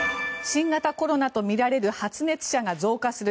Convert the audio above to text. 新型コロナとみられる発熱者が増加する